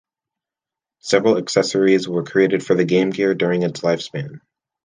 Several accessories were created for the Game Gear during its lifespan.